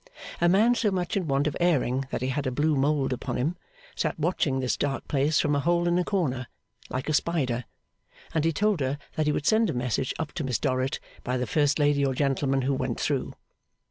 A man so much in want of airing that he had a blue mould upon him, sat watching this dark place from a hole in a corner, like a spider; and he told her that he would send a message up to Miss Dorrit by the first lady or gentleman who went through.